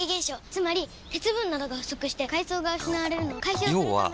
つまり鉄分などが不足して藻が失われるのを解消するためにつだけだよ